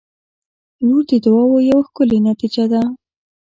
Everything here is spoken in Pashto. • لور د دعاوو یوه ښکلي نتیجه ده.